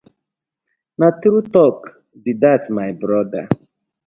Na true talk be dat my brother.